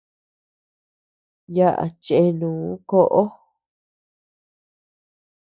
Yaʼa chenu koʼo.